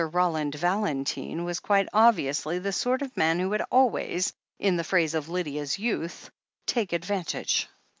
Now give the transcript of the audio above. Roland Valentine was quite obviously the sort of man who would always, in the phrase of Lydia's youth, "take advantage."